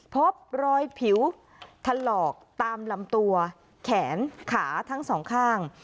พบรอยผิวถลอกตามลำตัวแขนขาทั้งสองข้าง